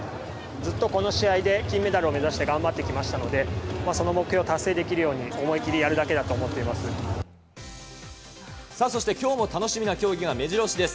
ずっとこの試合で金メダルを目指して頑張ってきましたので、その目標を達成できるように、思い切りやるだけだと思っていまそして、きょうも楽しみな競技がめじろ押しです。